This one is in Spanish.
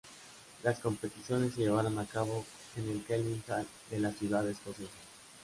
Las competiciones se llevaron a cabo en el Kelvin Hall de la ciudad escocesa.